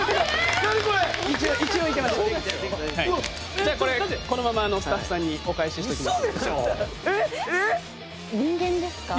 じゃあこれこのままスタッフさんにお返ししときます。